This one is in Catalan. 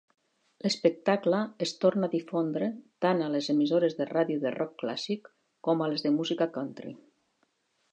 L'espectacle es torna a difondre tant a les emissores de ràdio de rock clàssic com a les de música country.